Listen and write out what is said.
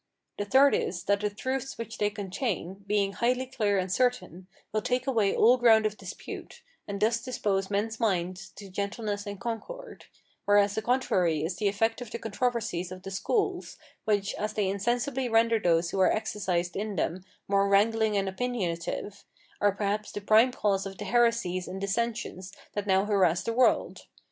The third is, that the truths which they contain, being highly clear and certain, will take away all ground of dispute, and thus dispose men's minds to gentleness and concord; whereas the contrary is the effect of the controversies of the schools, which, as they insensibly render those who are exercised in them more wrangling and opinionative, are perhaps the prime cause of the heresies and dissensions that now harass the world.